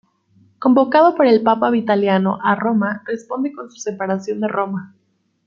Convocado por el Papa Vitaliano a Roma, responde con su separación de Roma.